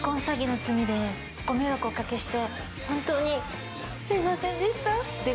詐欺の罪でご迷惑をおかけして本当にすみませんでした。